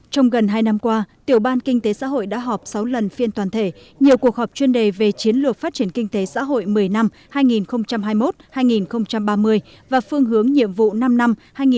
trong gần hai năm qua tiểu ban kinh tế xã hội đã họp sáu lần phiên toàn thể nhiều cuộc họp chuyên đề về chiến lược phát triển kinh tế xã hội một mươi năm hai nghìn hai mươi một hai nghìn ba mươi và phương hướng nhiệm vụ năm năm hai nghìn hai mươi một hai nghìn hai mươi năm